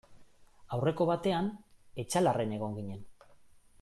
Aurreko batean Etxalarren egon ginen.